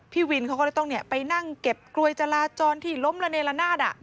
พี่วินเขาก็เลยต้องไปนั่งเก็บกลวยจราจรที่ล้มระเนละนาด